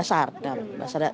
dia lapor ke ruangan yang nyasar